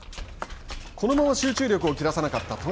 このまま集中力を切らさなかった戸上。